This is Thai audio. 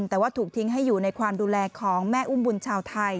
แต่ว่าถูกทิ้งให้อยู่ในความดูแลของแม่อุ้มบุญชาวไทย